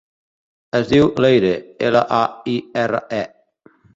Es diu Leire: ela, e, i, erra, e.